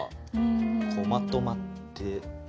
こうまとまってて。